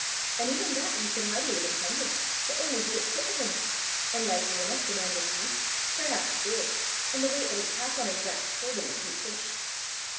An' even that he could hardly have intendit, but only to get quit o' him; an' likely enough the man was weak, perhaps ill, an' the weicht o' his pack on his back pulled him as he pushed.